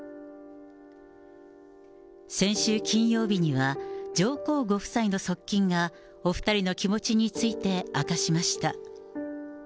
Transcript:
先週金曜日には、上皇ご夫妻の側近が、お２人の気持ちについて明かしました。